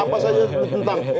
apa saja ditentang